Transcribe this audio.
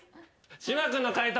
島君の解答